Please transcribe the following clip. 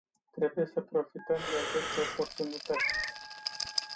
Trebuie să profităm de aceste oportunități!